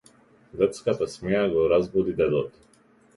Детската смеа го разбуди дедото.